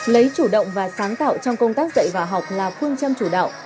lấy chủ động và sáng tạo trong công tác dạy và học là phương châm chủ đạo